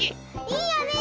いいよね！